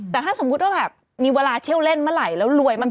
แต่ถ้าสมมุติว่าแบบมีเวลาเที่ยวเล่นเมื่อไหร่แล้วรวยมาก